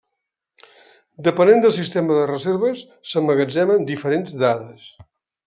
Depenent del sistema de reserves s'emmagatzemen diferents dades.